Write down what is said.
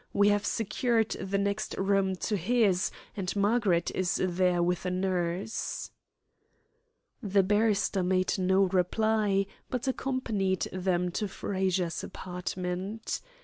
We have secured the next room to his, and Margaret is there with a nurse." The barrister made no reply, but accompanied them to Frazer's apartment.